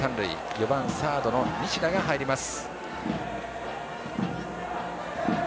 ４番・サードの西田が入ります。